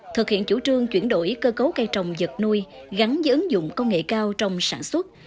thực hiện chủ trương chuyển đổi cơ cấu cây trồng vật nuôi gắn với ứng dụng công nghệ cao trong sản xuất